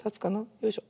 よいしょ。